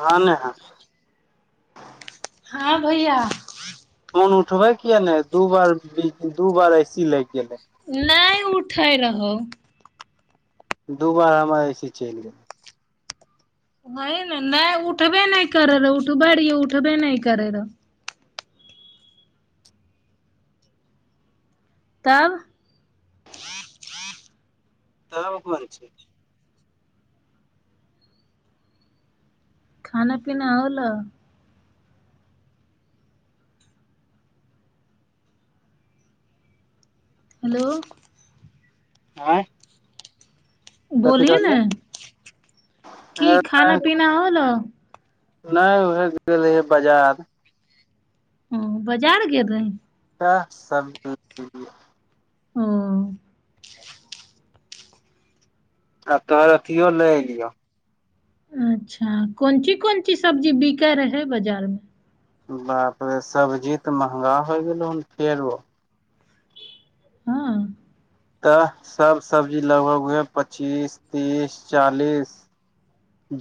वने हं। हाय भईया फोन उठबे किया ने, दू बार बिजी दू बार ए सी लग गेले ऐ। नये उठै रह ओ। दू बार हमर ऐसी चईल गेल। व ई न नयि उठबे नइ करे रे, उठब र उठबे नयि करे र तब [unintelligible] खाना पीना होलो? हेलो? आंय? बोली ने [inaudible] की खाना पीना होलो? नहि उहे गेल रहियै बजार। ओ बजार गेल रही? त स [unintelligible] ओ। आब तोहर अथियो लै एलियौ। अच्छा कोन ची, कोन ची सब्जी बिकै रहै बजारमे? बाप रे सब्जी त महंगा होइ गेलौ हन फेरो। हँ? त सब सब्जी लगभग उहे पच्चीस तीस चालीस।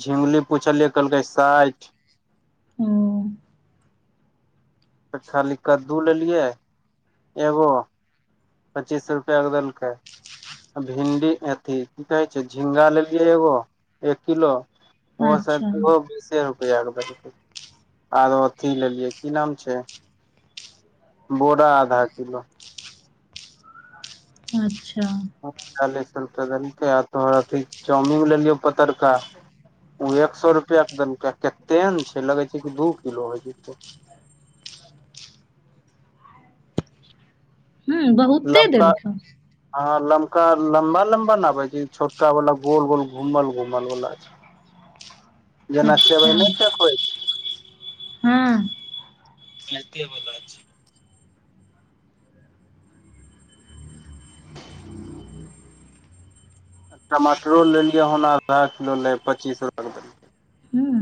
झुमली पुछलियै कहलकै साठि। ओ। त खाली कद्दू लेलियै एगो पच्चीस रुपआ के देलकै। आ भिंडी अथी की कहै छै झिंगा लेलियै एगो [inaudible] एक किलो। ओ सब अच्छा उहो बीसे रुपआ के देलकै। [inaudible] आरो अथी लेलियै की नाम छै? बोरा आधा किलो। अच्छा। [unintelligible] तोहर अथी चाउमीन लेलियौ पतरका। ओ एक स रुपआ के देलकै। केते ने छै लगै छै कि दू किलो हो जेतै। हुं बहुते देलकौ। हं लमका लम्बा लम्बा नाबे छी। छोटका वाला गोल गोल घूमल घूमल बला छै। [inaudible] जेना अच्छा सेवइ नै चक होइ हँ। [unintelligible] आ टमाटरो लेलियै हम, आधा किलो लै पचीसो रुपआ के देल हूँ।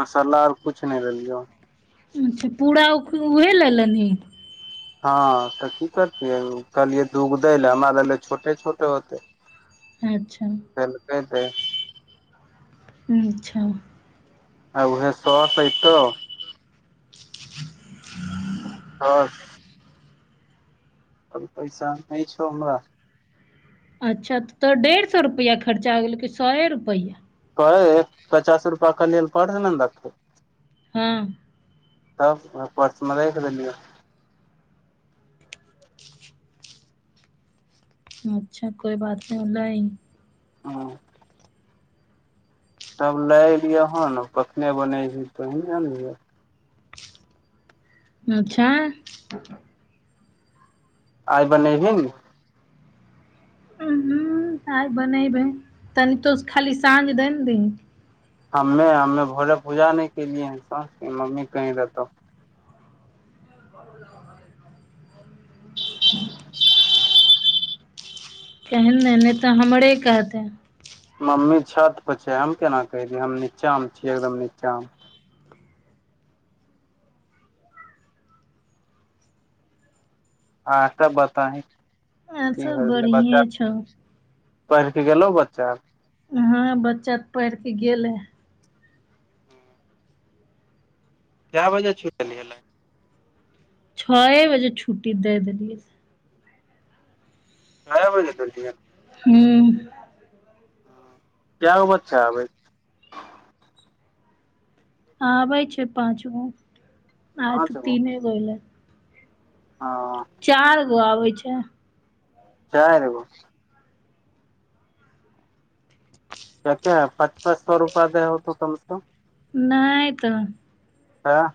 मसल्ला अर कुछ नै लेलिऔ। जे पूरा उख उहे ले लेनहीं। हँ त की करतियै, कहलियै दूगो दै ले, हमरा भेलै छोटे छोटे होतै। अच्छा। [unintelligible] अच्छा। आब उहे स के ऐतौ। [unintelligible] अब पैसा नै छौ हमरा। अच्छा त तोहर डेढ़ स रुपैआ खर्चा हो गेलौ कि सए रुपैआ? कहे [inaudible] पचास रुपआ के नेल पर न आन देथु। हँ। तब आ पर्समे राखि देलिऔ। अच्छा कोई बात नै होलही। हँ। तब लै एलियै हन कखने बनैही तहि ले आनलियै। अच्छा। आइ बनैहबु। उं आइ बनेबै तनी तोस खाली ताग बान्हि दही। हमे हमे भोरे पूजा नहि केलियै हैं सस मम्मी कहीं रहतौ। ब [inaudible] केहन ने नहि तऽ हमरे कहथिन। मम्मी छत पर छै हम केना कहि देने, हम नीचा मे छ छियै एकदम नीचा मे। आर सब बताइ। आर सब बढ़िये छथ। पढि के गेलौ बच्चा। ना, बच्चा पढ़िके गेलै। कै बजे छुटलै। छओए बजे छुट्टी दे देलियै। कए बजे देलहिने। हुं। कै गो बच्चा अबैये। आबै छै पाँच गो आइ पाँच तऽ तीने गो एलै। हं। चार गो आबै छै। चार गो। क क पचपच सौ रुपआ दे होतौ कम से कम। नै तऽ। तऽ।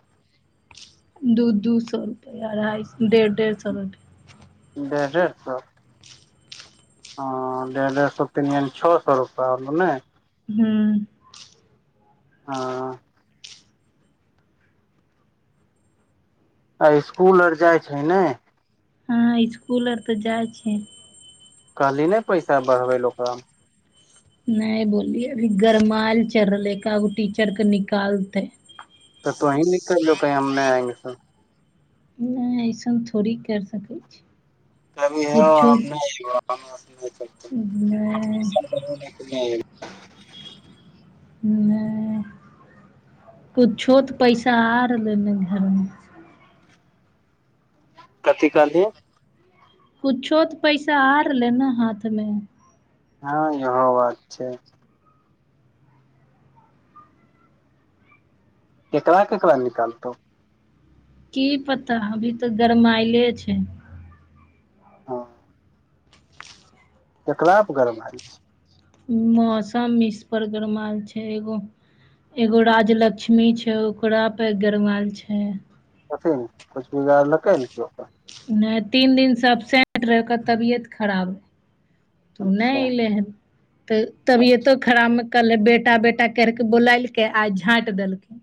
दू दू सौ रुपआ अढ़ाइ सौ डेढ़ डेढ़ सौ रुपया। डेढ़ डेढ़ सौ। हं डेढ़ डेढ़ सौ तीन यानि छओ सौ रूपा होलो नै। हुं। हँ। आ इसकुल आर जाइ छै ने। हँ इसकुल आर तऽ जाइ छै। कहली नै पैसा बढ़बै ले ओकरा। नहि बोललि अभी गरमायल चढ़ रहले एका गो टीचर के निकालतै। तऽ तहीं निकलो कही हम नहि आयंगे सर। ऐसन थोड़ी कर सकै छी। कुछो भ नहि नहि नहि करत [unintelligible] हुं, नहि कुछो तऽ पैसा आ रहलै ने घरमे। कथि कहलियै। कुछो तऽ पैसा आ रहले ने हाथमे। हँ इहो बात छै। केकरा केकरा निकालतै। की पता अभी तऽ गरमाइले छै। हँ। ककरा पर गरमायल छै। मौसम इसपर गरमाल छै एगो एगो राजलक्ष्मी छै ओकरा पे गरमायल छै। [inaudible] नहि तीन दिनसँ अबसेंट रहै ओकर तबियत खराब रहै। तू नहि अच्छा एलै हन तऽ तबियतो खराबमे कहले बेटा बेटा करके बोललके आ झाँंइट देलकै।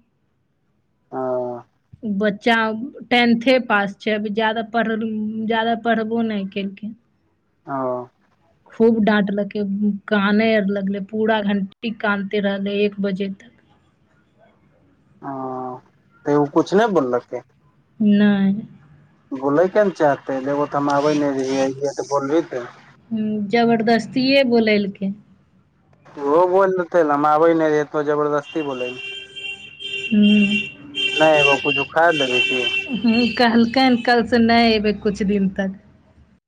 आं। बच्चा टेन्थे पास छै अभी ज्याद पढ़ल ज्यादा पढ़बो नहि केलखिन। ओ। खूब डाँटलकै कानै आर लगलै पूरा घण्टी कानिते रहलै एक बजे तक। ओ, तऽ ओ किछ नहि बोललकै? नहि। बोलयके ने चाहतै एगो तऽ हम आबै नहि रहियै अइयै तऽ बोलबही तूऽ ह्म्म जबरदस्तियए बोलेलकै। ओहो बोल दैतै नऽ हम आबै नहि रतो जबरदस्ती बोलैलकै। हूँ नहि एगो किछु उखैर लेबही की? ह कहलकैनि कलसँ नहि एयबै किछु दिन तक।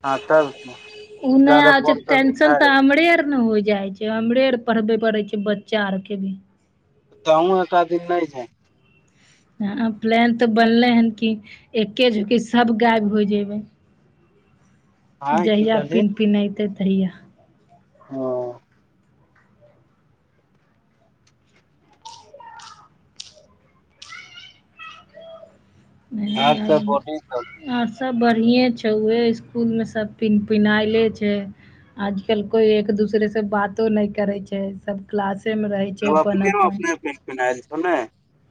हँ तब की उ नय जादा आबै छै फोन तऽ करबही टेशन झाड़ि तऽ हमरे आर नऽ हो जाए छै। जे हमरे आर पढ़बे पड़ै छै बच्चा आरके भी। त अहू एकाध दिन नहि जायब। ह प्लान तऽ बनले हन कि एके झोकी सब गायब हो जेबे। आँय की जहिया कहलही पिनपिनेतई तहिया। ओ। हाथ से बोलही तऽ [inaudible] आर सब बढ़िए छै उहे इसकुल मे सब पिनपिनाइले छै। आजकल कोई एक दूसरे से बातो नै करे छै सब क्लासे में रहे। लोग अपने में अपने पिनपिनायल छौ ने?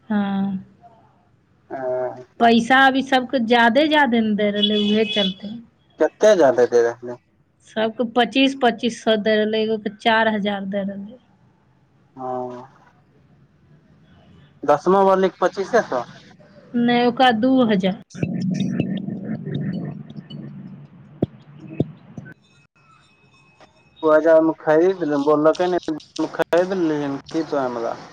हँ। ऐ। पैसा अभी सबके ज्यादे ज्यादे ने दे रहलै उहे के चलते। कतेऽ ज्यादे दे रहलो? सबके पचीस पचीस सओ दै रहलै एगोके चारि हजार दै रहलै। ओ। दशमां वाली के पचीसे सौ? नहि ओकरा दू हजार। दू हजार में खरीद ले बोललके नै खरीद [unintelligible]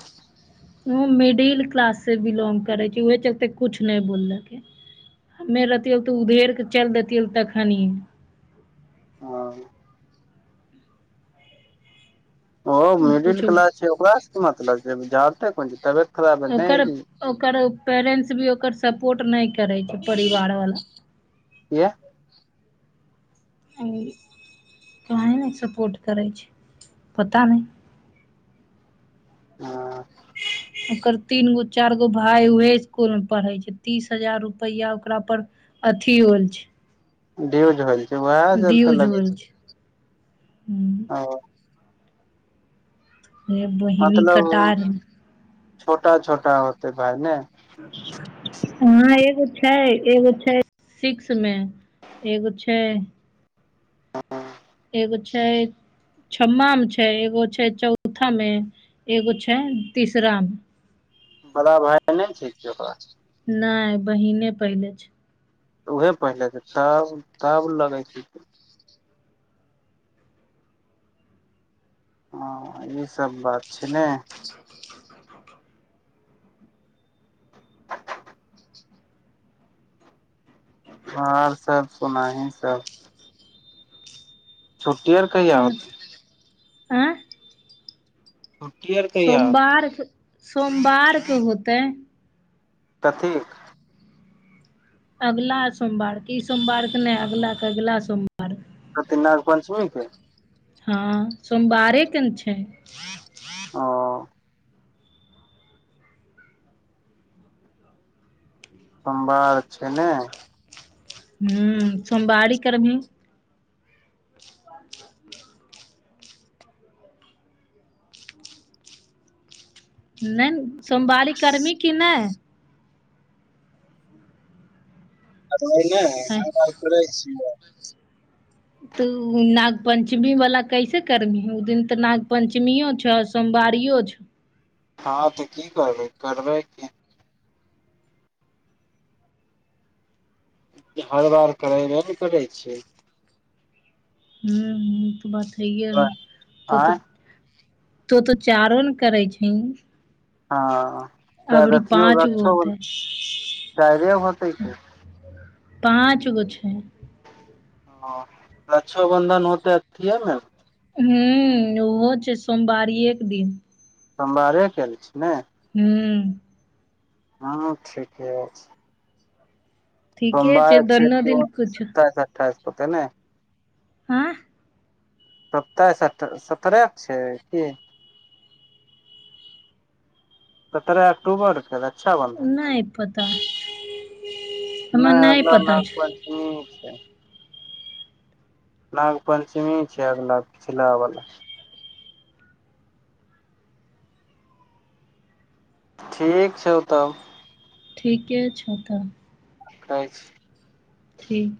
ओ मिडिल क्लास से बिलोंग करै छै ओहे चलते कुछ नहि बोललकै। हमे रहतियौ तऽ उधेर कऽ चलि देैतियौ तखनिये। हँ। ओ मिडिल कुछो क्लास छै ओकरा सऽ की मतलब छै [unintelligible] तबियत खराब भेले नै ओकर ऐली। ओकर पैरेन्ट्स भी ओकर सपोर्ट नहि करै छै परिवारवला। किए? [inaudible] काहे ने सपोर्ट करै छै पता नहि। हँ। ओकर तीन गो चार गो भाय उहे इसकुल मे पढ़े छै तीस हजार रुपआ ओकरा पर अथी ओ छै। ड्यज होल छै उएह जल त ड्यूज लगै होल छै छै ओ हे बहिनी मतलब कटार छोटा छोटा होतै भााय ने ह एगो छै एगो छै सिक्स मे। एगो छै। हँ [inaudible] एगो छै। छम्मा मे छै एगो छै चौथा मे एगो छै तीसरा मे। बड़ा भााय नहि छै कि ओकरा नहि बहिने पहिले छै। उहे पहिले जेतौ तब लगै छै। ह ई सब बात छै ने। आ [unintelligible] सब सुनाही सब। छुटी एल अचछा आँ। छुट्टी आर कहिया होतै? सोमवार सोमवारके होते कथी अगिला सोमवार के ई सोमवार के नहि अगला के अगला सोमवार। कथी नाग पंचमी के हँ सोमवारेके ने छै। ओ सोमवार छै ने। हू सोमवारी कर भी नहि सोमवारी कर्मी कि नहि। आ ने हे हँ [unintelligible] तूऽ नाग पंचमी वाला कैसे करबी ओ दिन तऽ नाग पंचमी वो छ सोमवारियो छ। हँ तऽ की करबै करबै हर बार करेबे ने करै छै। हू तऽ बात हए तो आँय तऽ तो तऽ चारो ने करे छि। हँ त कैल अो पाँच गो रक्षे बन होतै कैले बनतै से पाँच गो छै ह आ रक्षो बंधन होतै अथि में। हू ओहो छै सोमवारीए के दिन सोमवारे केल छी ने हू। हँ ठीके छै। ठीके छै सोमवार छिय दोनो दिन उहो कुछ सत्ताइस अठाइस होते ने। हां। सत्ताइस अठाइस सत्रहे छै की सत्रह अक्टूबरकेै रक्षा बनधन नहि पता हमरा नहि हमरा पता नाम छौ पर [inaudible] नाग पञ्चमी छै अगिला पिछला बला ठीक छौ तब ठीके छौ तऽ खाइ छि ठीक